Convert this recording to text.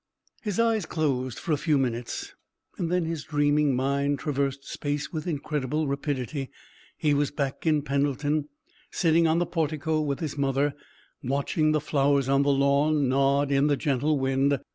His eyes closed for a few minutes, and then his dreaming mind traversed space with incredible rapidity. He was back in Pendleton, sitting on the portico with his mother, watching the flowers on the lawn nod in the gentle wind.